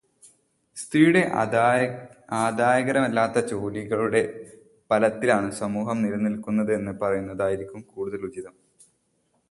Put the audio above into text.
സ്ത്രീയുടെ ആദായകരമല്ലാത്ത ജോലികളുടെ ബലത്തിലാണ് സമൂഹം നിലനിൽക്കുന്നത് എന്നു പറയുന്നതായിരിക്കും കൂടുതൽ ഉചിതം.